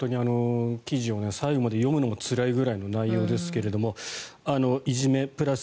記事を最後まで読むのもつらいぐらいの内容ですけどいじめプラス